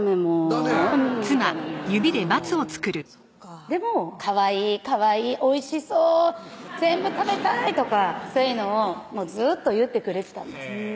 ダメあらまぁでも「かわいいかわいいおいしそう全部食べたい！」とかそういうのをずっと言ってくれてたんです